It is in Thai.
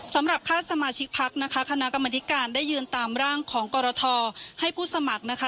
สำหรับค่าสมาชิกพักนะคะคณะกรรมธิการได้ยืนตามร่างของกรทให้ผู้สมัครนะคะ